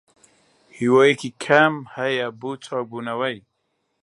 هیوایەکی کەم هەیە بۆ چاکبوونەوەی.